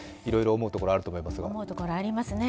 思うところありますね。